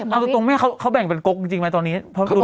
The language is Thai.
เอาตัวตรงเค้าแบ่งเป็นก๊อกจริงมาตอนนี้